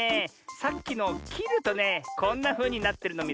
さっきのをきるとねこんなふうになってるのミズよ。